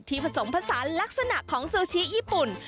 ผสมผสานลักษณะของซูชิญี่ปุ่น